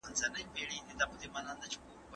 د وریژو کرنه ډیرو اوبو او تودې ګرمۍ ته اړتیا لري.